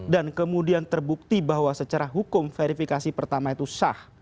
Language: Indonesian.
dan kemudian terbukti bahwa secara hukum verifikasi pertama itu sah